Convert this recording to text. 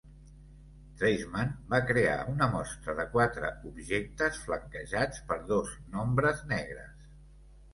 Treisman va crear una mostra de quatre objectes flanquejats per dos nombres negres.